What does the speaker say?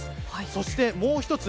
そして、もう一つ。